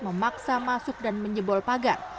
memaksa masuk dan menjebol pagar